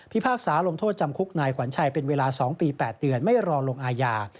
พากษาลงโทษจำคุกนายขวัญชัยเป็นเวลา๒ปี๘เดือนไม่รอลงอาญา